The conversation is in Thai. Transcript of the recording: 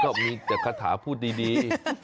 ก็มีแต่คาถาพูดดี